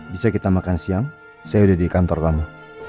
bisa kita makan siang saya udah di kantor kami